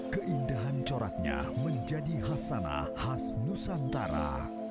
keindahan coraknya menjadi khas sana khas nusantara